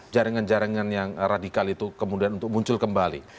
jaringan jaringan yang radikal itu kemudian untuk muncul kembali